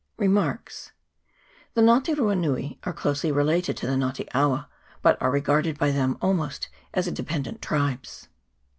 800 120 {The Nga te rua nui are closely related to the Nga te awa, but are regarded by them almost as a de pendent tribes.